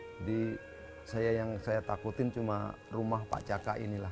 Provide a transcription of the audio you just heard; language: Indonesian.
jadi saya yang saya takutin cuma rumah pak caka inilah